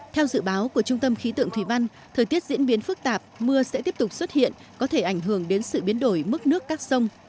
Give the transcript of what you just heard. theo dự báo của trung tâm khí tượng thủy văn thời tiết diễn biến phức tạp mưa sẽ tiếp tục xuất hiện có thể ảnh hưởng đến sự biến đổi mức nước các sông